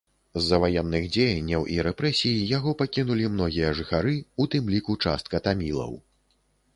З-за ваенных дзеянняў і рэпрэсій яго пакінулі многія жыхары, у тым ліку частка тамілаў.